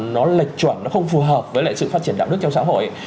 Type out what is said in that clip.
nó lệch chuẩn nó không phù hợp với lại sự phát triển đạo đức trong xã hội